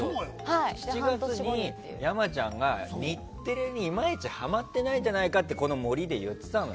７月に山ちゃんが日テレにいまいちハマってないんじゃないかとこの「森」で言ってたのよ。